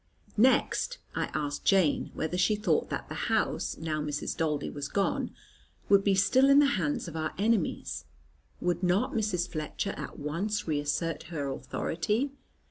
Next I asked Jane, whether she thought that the house, now Mrs. Daldy was gone, would be still in the hands of our enemies. Would not Mrs. Fletcher at once re assert her authority?